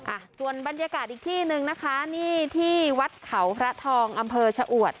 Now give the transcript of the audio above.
อ่ะส่วนบรรยากาศอีกที่หนึ่งนะคะนี่ที่วัดเขาพระทองอำเภอชะอวด